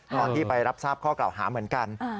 ตอนที่ไปรับทราบข้อกล่าวหาเหมือนกัน